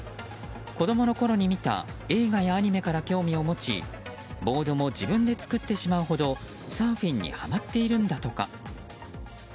子供のころに見た映画やアニメから興味を持ちボードも自分で作ってしまうほどサーフィンにはまっているんだとか。